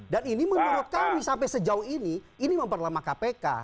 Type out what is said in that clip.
dan ini menurut kami sampai sejauh ini ini memperlemah kpk